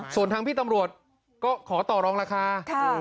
ส่วนทางพี่ตำรวจก็ขอต่อรองราคา